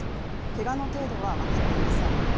けがの程度は分かっていません。